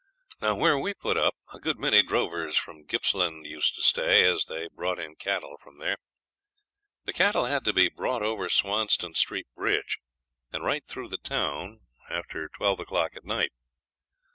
Now where we put up a good many drovers from Gippsland used to stay, as they brought in cattle from there. The cattle had to be brought over Swanston Street Bridge and right through the town after twelve o'clock at night.